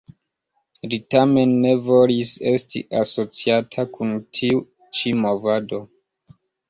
Li tamen ne volis esti asociata kun tiu ĉi movado.